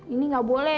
ini gak boleh